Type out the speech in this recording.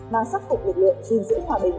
mang sắc phục lực lượng giữ hòa bình